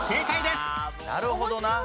なるほどな。